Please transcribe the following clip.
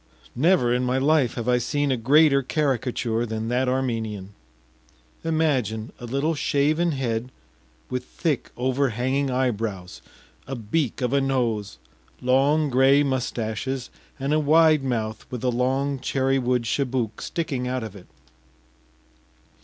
Never in my life have I seen a greater caricature than that Armenian. Imagine a little shaven head with thick overhanging eyebrows, a beak of a nose, long gray mustaches, and a wide mouth with a long cherry wood chibouk sticking out of it.